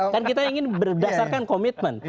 kan kita ingin berdasarkan komitmen